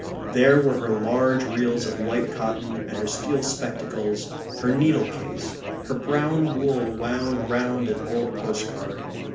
There were her large reels of white cotton and her steel spectacles; her needle case; her brown wool wound round an old postcard.